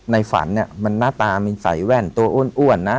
ในฝันน่าตามีใสแว่นตัวอ้วนนะ